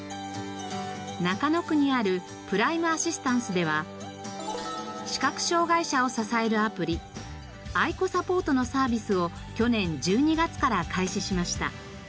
中野区にあるプライムアシスタンスでは視覚障がい者を支えるアプリアイコサポートのサービスを去年１２月から開始しました。